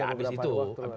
ya habis itu